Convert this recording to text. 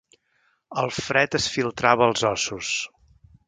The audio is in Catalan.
El fred es filtrava als ossos.